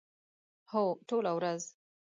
هو، ټوله ورځ